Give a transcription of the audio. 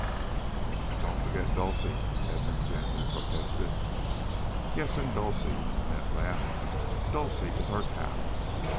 "Don't forget Dulcie," Edmund gently protested. "Yes, and Dulcie." Annette laughed. "Dulcie is our cow.